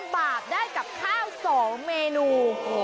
๐บาทได้กับข้าว๒เมนู